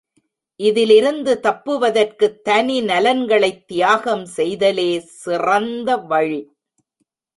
இதிலிருந்து தப்புவதற்குத் தனி நலன்களைத் தியாகம் செய்தலே சிறந்த வழி.